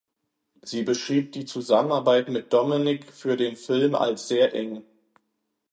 Sie beschrieb die Zusammenarbeit mit Dominik für den Film als sehr eng.